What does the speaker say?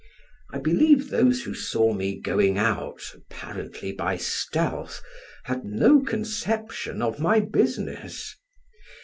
I believe those who saw me going out, apparently by stealth, had no conception of my business.